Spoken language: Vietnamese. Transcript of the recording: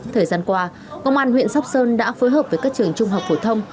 thời gian qua công an huyện sóc sơn đã phối hợp với các trường trung học phổ thông